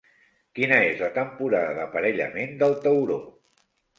Quina és la temporada d'aparellament del tauró?